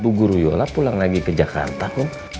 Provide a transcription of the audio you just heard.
ibu guru yola pulang lagi ke jakarta kum